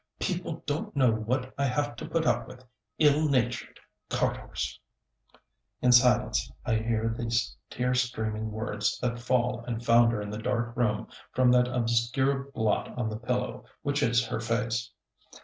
people don't know what I have to put up with ill natured cart horse!" In silence I hear the tear streaming words that fall and founder in the dark room from that obscure blot on the pillow which is her face.